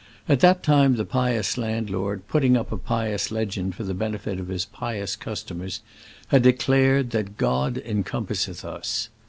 At that time the pious landlord, putting up a pious legend for the benefit of his pious customers, had declared that "God encompasseth us."